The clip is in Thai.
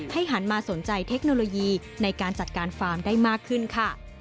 หันมาสนใจเทคโนโลยีในการจัดการฟาร์มได้มากขึ้นค่ะ